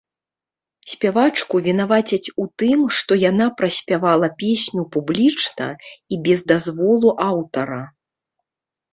Спявачку вінавацяць у тым, што яна праспявала песню публічна і без дазволу аўтара.